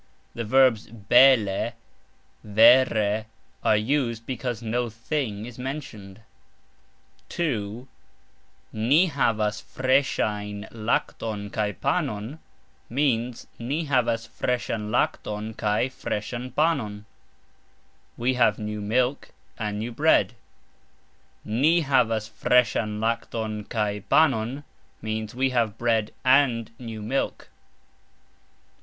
The adverbs "bele", "vere", are used because no "thing" is mentioned. 2. "Ni havas fresxajn lakton kaj panon" means "Ni havas fresxan lakton kaj fresxan panon", We have new milk and new bread. "Ni havas fresxan lakton kaj panon" means We have bread and new milk.